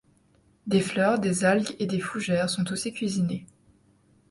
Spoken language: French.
Des fleurs, des algues et des fougères sont aussi cuisinées.